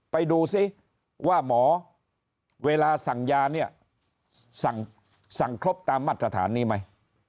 ไปดูซิว่าหมอเวลาสั่งยาเนี่ยสั่งครบตามมาตรฐานนี้ไหม